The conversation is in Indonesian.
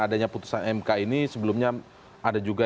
adanya putusan mk ini sebelumnya ada juga